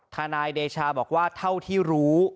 ทนายเดชาบอกว่าเท่าที่รู้